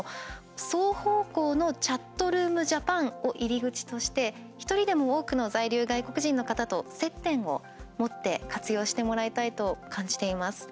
双方向の「ＣｈａｔｒｏｏｍＪａｐａｎ」を入り口として１人でも多くの在留外国人の方と接点を持って活用してもらいたいと感じています。